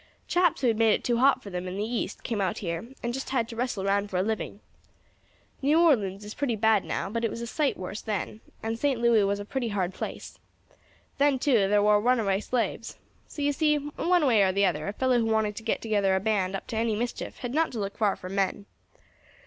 Chaps who had made it too hot for them in the east came out here, and just had to wrestle round for a living. New Orleans is pretty bad now, but it was a sight worse then; and St. Louis was a pretty hard place. Then, too, thar war runaway slaves. So you see, one way or the other, a fellow who wanted to get together a band up to any mischief had not to look far for men.